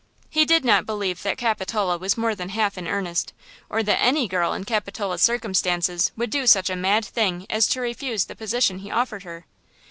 He did not believe that Capitola was more than half in earnest, or that any girl in Capitola's circumstances would do such a mad thing as to refuse the position he offered her.